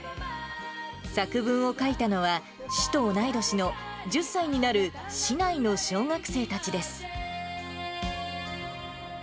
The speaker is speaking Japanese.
作文を書いたのは、市と同い年の１０歳になる市内の小学生たちです。